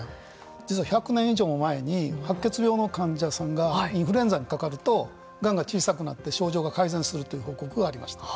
実は、１００年以上も前に白血病の患者さんがインフルエンザにかかるとがんが小さくなって症状が改善するという報告がありました。